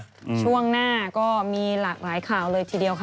ช่วงหน้าก็มีหลากหลายข่าวเลยทีเดียวค่ะ